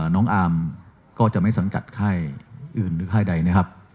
น้องอาร์มก็จะไม่สังกัดค่ายอื่นหรือค่ายใดนะครับ